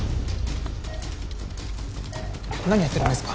何やってるんですか！？